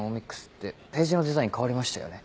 Ｍｉｘってページのデザイン変わりましたよね？